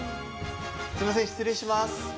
すみません、失礼します。